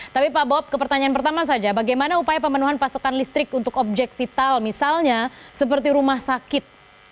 tapi pak bob ke pertanyaan pertama saja bagaimana upaya pemenuhan pasokan listrik untuk objek vital misalnya seperti rumah sakit